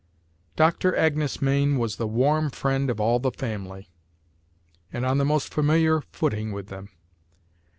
Doctor Agnes Mayne was the warm friend of all the family, and on the most familiar footing with them.